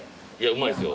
うまいっすよ。